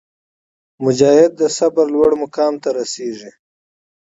مجاهد د صبر لوړ مقام ته رسېږي.